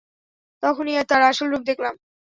তখনি, তার আসল রূপ দেখলাম।